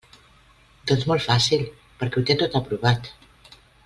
Doncs molt fàcil: perquè ho té tot aprovat!